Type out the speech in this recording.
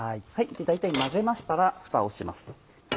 大体混ぜましたらフタをします。